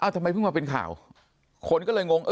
ทำไมเพิ่งมาเป็นข่าวคนก็เลยงง